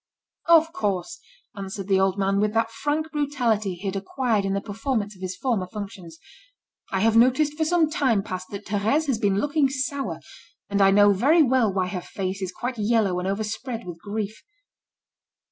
"Of course," answered the old man, with that frank brutality he had acquired in the performance of his former functions, "I have noticed for some time past that Thérèse has been looking sour, and I know very well why her face is quite yellow and overspread with grief."